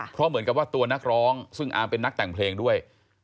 เพราะเหมือนกับว่าตัวนักร้องซึ่งอาร์มเป็นนักแต่งเพลงด้วย